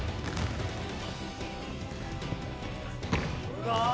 うわ！